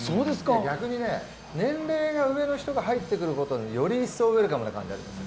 逆に年齢が上の人が入ってくるほうがより一層ウェルカムな感じがします。